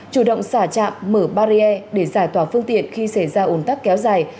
chủ động xả trạm mở barrier để giải tỏa phương tiện khi xảy ra ồn tắc kéo dài